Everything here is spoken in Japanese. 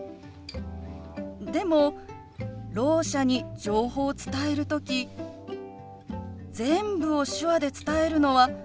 でもろう者に情報を伝える時全部を手話で伝えるのは難しいと思うの。